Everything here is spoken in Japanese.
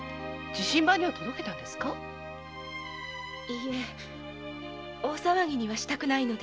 いいえ大騒ぎにはしたくないので。